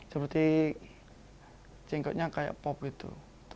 seperti cengkoknya kayak pop gitu